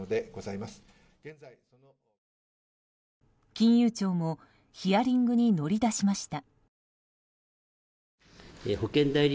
金融庁もヒアリングに乗り出しました。